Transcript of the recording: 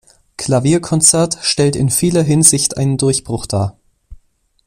Klavierkonzert stellt in vieler Hinsicht einen Durchbruch dar.